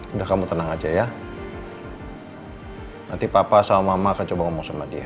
udah kamu tenang aja ya nanti papa sama mama akan coba ngomong sama dia